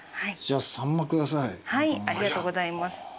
ありがとうございます。